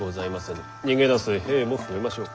逃げ出す兵も増えましょう。